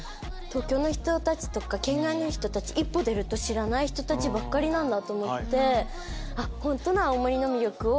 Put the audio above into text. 東京の人たちとか県外の人たち一歩出ると知らない人たちばっかりなんだと思って。